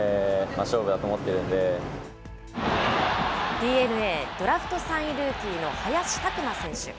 ＤｅＮＡドラフト３位ルーキーの林琢真選手。